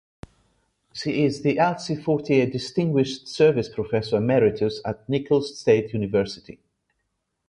She is the Alcee Fortier Distinguished Service Professor Emeritus at Nicholls State University.